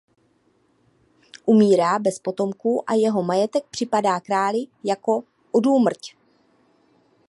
Umírá bez potomků a jeho majetek připadá králi jako odúmrť.